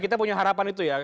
kita punya harapan itu ya